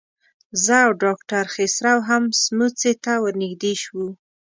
زه او ډاکټر خسرو هم سموڅې ته ورنږدې شو.